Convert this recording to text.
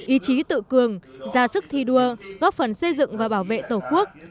ý chí tự cường ra sức thi đua góp phần xây dựng và bảo vệ tổ quốc